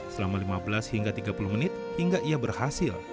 selama lima belas hingga tiga puluh menit hingga ia berhasil